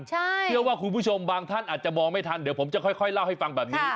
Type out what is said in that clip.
เชื่อว่าคุณผู้ชมบางท่านอาจจะมองไม่ทันเดี๋ยวผมจะค่อยเล่าให้ฟังแบบนี้